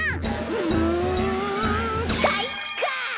うんかいか！